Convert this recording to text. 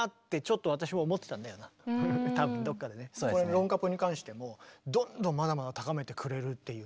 「ロンカプ」に関してもどんどんまだまだ高めてくれるっていうね